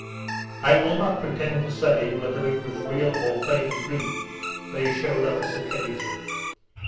I will not pretend to say whether it was real or feigned grief they shewed on this occasion.